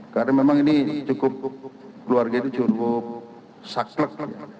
karena memang ini cukup keluarga itu cukup saklek